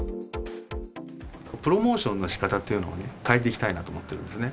プロモーションのしかたというのをね、変えていきたいなと思っているんですね。